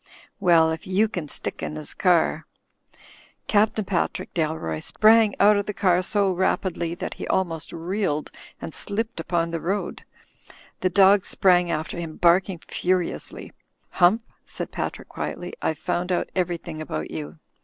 Well — ^if you can stick in 'is car —" Captain Patrick Dalroy sprang out of the car so rapidly that he almost reeled and slipped upon the road. The dog sprang after him, barking furiously. "Hump," said Patrick, quietly. "I've found out everything about you.